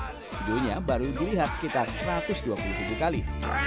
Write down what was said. videonya baru dilihat sekitar satu ratus dua puluh tujuh kali